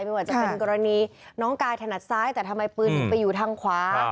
ไม่ว่าจะเป็นกรณีน้องกายถนัดซ้ายแต่ทำไมปืนถึงไปอยู่ทางขวา